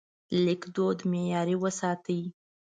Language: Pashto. لیکدود معیاري وساتئ.